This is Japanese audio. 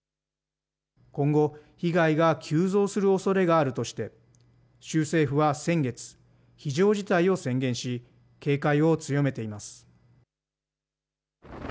今後、被害が急増するおそれがあるとして、州政府は先月、非常事態を宣言し、警戒を強めています。